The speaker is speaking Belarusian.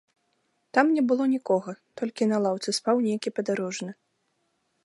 Там не было нікога, толькі на лаўцы спаў нейкі падарожны.